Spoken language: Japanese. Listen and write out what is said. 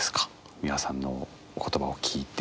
美輪さんのお言葉を聞いて。